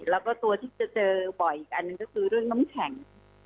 แล้วก็ตัวที่จะเจอบ่อยอีกอันหนึ่งก็คือเรื่องน้ำแข็ง